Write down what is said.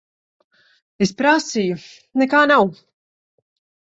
Es prasīju. Nekā nav.